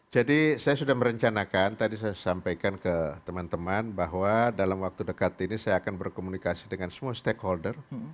jadi saya sudah merencanakan tadi saya sampaikan ke teman teman bahwa dalam waktu dekat ini saya akan berkomunikasi dengan semua stakeholder